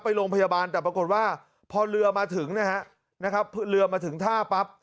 ไปโรงพยาบาลแต่ปรากฏว่าพอเรือมาถึงนะฮะนะครับเรือมาถึงท่าปั๊บ